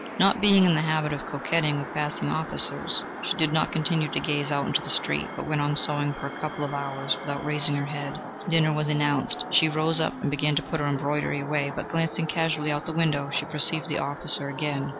Not being in the habit of coquetting with passing officers, she did not continue to gaze out into the street, but went on sewing for a couple of hours, without raising her head. Dinner was announced. She rose up and began to put her embroidery away, but glancing casually out of the window, she perceived the officer again. This seemed to her very strange.